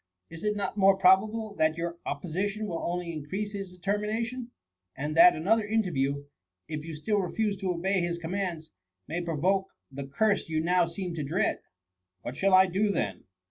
Is it not more probable that your opposition will only increase his determination ; and that another interview^ if you still refuse to obey his commands, may provoke the curse you now seem to dread ?What shall I do then